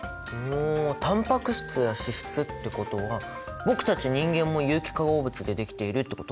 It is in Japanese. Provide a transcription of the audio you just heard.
タンパク質や脂質ってことは僕たち人間も有機化合物でできているってこと？